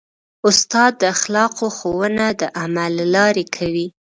استاد د اخلاقو ښوونه د عمل له لارې کوي.